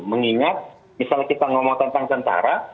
mengingat misalnya kita ngomong tentang tentara